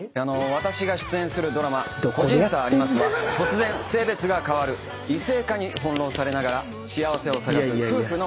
私が出演するドラマ『個人差あります』は突然性別が変わる異性化に翻弄されながら幸せを探す夫婦の物語です。